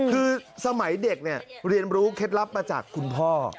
คือสมัยเด็กเนี่ยเรียนรู้เคล็ดลับมาจากคุณพ่อ